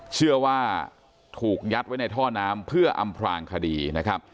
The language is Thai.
เชื่อว่าถูกยัดไว้ในท่อน้ำเพื่ออำพลางคดีนะครับ